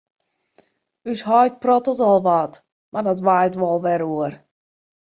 Us heit prottelet al wat, mar dat waait wol wer oer.